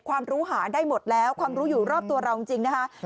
ความรู้หาได้หมดแล้วความรู้อยู่รอบตัวเราจริงนะคะ